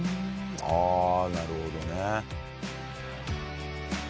ああなるほどね。